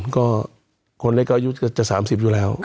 คนเล็กก็อายุจะ๓๐อยู่แล้ว